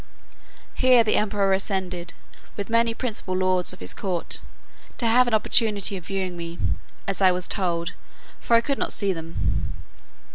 Here the emperor ascended, with many principal lords of his court, to have an opportunity of viewing me, as I was told, for I could not see them.